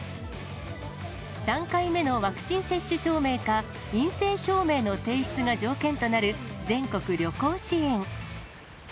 ３回目のワクチン接種証明か、陰性証明の提出が条件となる全国旅行支援。